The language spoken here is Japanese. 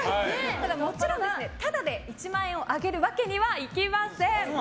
もちろん、タダで１万円をあげるわけにはいきません。